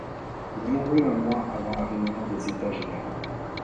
Il mourut un mois avant la réunion des États généraux.